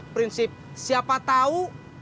prinsip siapa tau